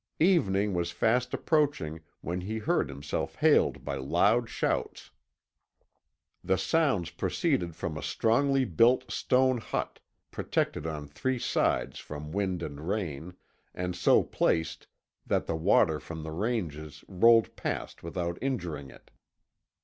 Evening was fast approaching when he heard himself hailed by loud shouts. The sounds proceeded from a strongly built stone hut, protected on three sides from wind and rain, and so placed that the water from the ranges rolled past without injuring it.